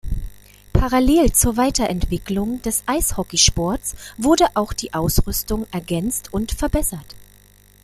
Parallel zur Weiterentwicklung des Eishockeysports wurde auch die Ausrüstung ergänzt und verbessert.